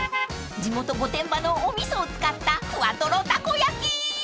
［地元御殿場のお味噌を使ったふわとろたこ焼き］